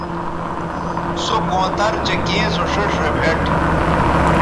سو کونتر چہء کیں سو ݜئیݜ رے بھیٹ